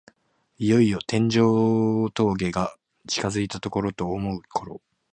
いよいよ天城峠が近づいたと思うころ